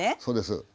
そうです。